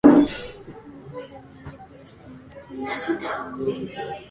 The third image corresponds to the example above.